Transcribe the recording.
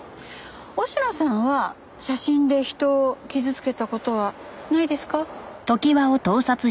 忍野さんは写真で人を傷つけた事はないですか？